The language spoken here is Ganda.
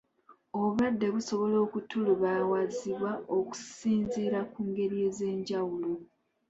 Obulwadde busobola okutulubawazibwa okusinziira ku ngeri ez'enjawulo.